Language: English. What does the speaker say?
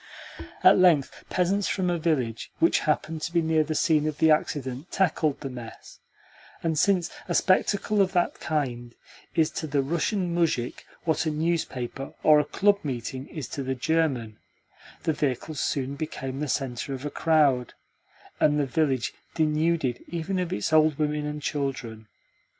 At length peasants from a village which happened to be near the scene of the accident tackled the mess; and since a spectacle of that kind is to the Russian muzhik what a newspaper or a club meeting is to the German, the vehicles soon became the centre of a crowd, and the village denuded even of its old women and children.